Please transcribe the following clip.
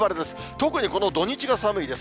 特にこの土日が寒いです。